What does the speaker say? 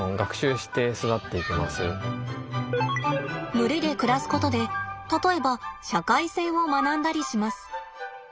群れで暮らすことで例えば社会性を学んだりします。